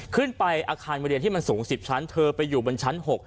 ขึ้นไปอาคารเรียนที่มันสูง๑๐ชั้นเธอไปอยู่บนชั้น๖